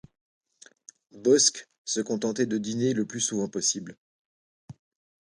Bosc se contentait de dîner le plus souvent possible.